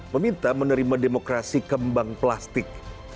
meminta menerima demokrasi kembang plastik